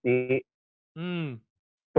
tuh tanjakannya itu dua puluh tiga